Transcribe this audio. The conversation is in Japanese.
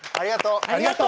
ありがとう。